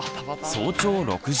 早朝６時。